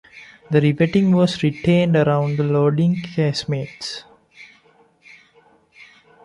The revetting was retained around the loading casemates.